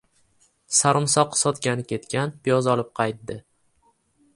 • Sarimsoq sotgani ketgan piyoz olib qaytdi.